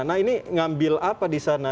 nah ini ngambil apa di sana